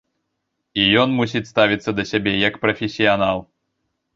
І ён мусіць ставіцца да сябе як прафесіянал.